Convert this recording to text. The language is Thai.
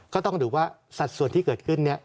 ก็ต้องดูว่าสัดส่วนที่เกิดขึ้นเนี่ย